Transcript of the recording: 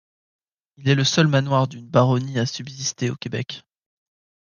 Il est le seul manoir d'une baronnie à subsister au Québec.